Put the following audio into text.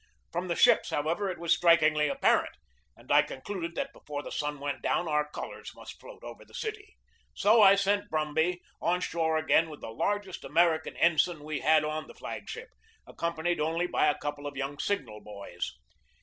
From the ships, however, it was strikingly apparent, and I concluded that before the sun went down our colors must float over the city. So I sent Brumby on shore again with the largest American ensign we 1 Appendix H. 2 8o GEORGE DEWEY had on the flag ship, accompanied only by a couple of young signal boys.